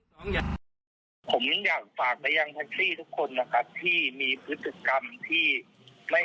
ไม่มีการยองความผมไม่รับกระเฉาผมไม่รับคำไหว้